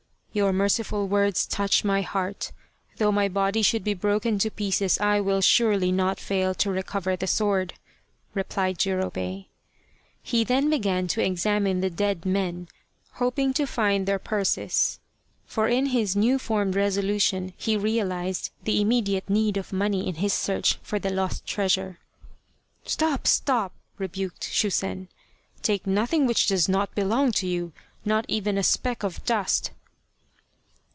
" Your merciful words touch my heart. Though my body should be broken to pieces I will surely not fail to recover the sword," replied Jurobei. He then began to examine the dead men hoping to find their purses, for in his new formed resolution he realized the immediate need of money in his search for the lost treasure. " Stop, stop !" rebuked Shusen, " take nothing which does not belong to you, not even a speck of dust."